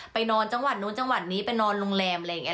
นอนจังหวัดนู้นจังหวัดนี้ไปนอนโรงแรมอะไรอย่างนี้